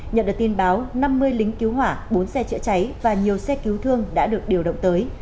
nhận được tin báo năm mươi lính cứu hỏa bốn xe chữa cháy và nhiều xe cứu thương đã được điều động tới